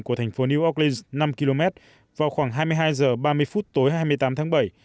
của thành phố new yorklis năm km vào khoảng hai mươi hai h ba mươi phút tối hai mươi tám tháng bảy